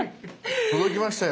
届きましたよ。